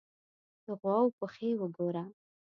_د غواوو پښې وګوره!